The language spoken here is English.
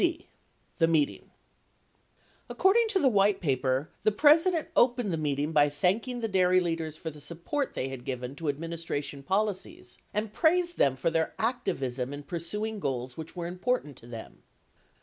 c. The Meeting According to the White Paper "The President opened the meeting by thanking the dairy leaders for the support they had given to ad ministration policies and praised them for their activism in pursuing goals which were important to them."